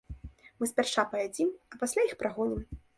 Мы спярша паядзім, а пасля іх прагонім.